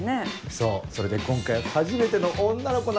そうそれで今回初めての女の子なの。